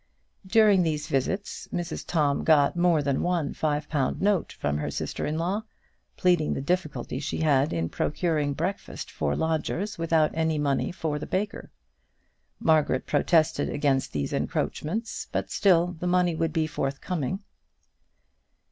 During these visits, Mrs Tom got more than one five pound note from her sister in law, pleading the difficulty she had in procuring breakfast for lodgers without any money for the baker. Margaret protested against these encroachments, but, still, the money would be forthcoming.